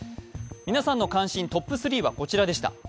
皆さんの関心トップ３はこちらでした。